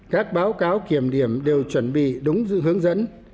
các báo cáo kiểm điểm đều chuẩn bị đúng dư hướng dẫn